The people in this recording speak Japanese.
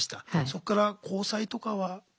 そこから交際とかは？